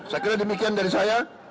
saya kira demikian dari saya